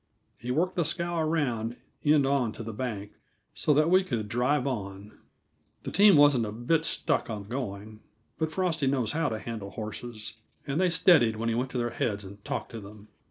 He worked the scow around end on to the bank, so that we could drive on. The team wasn't a bit stuck on going, but Frosty knows how to handle horses, and they steadied when he went to their heads and talked to them.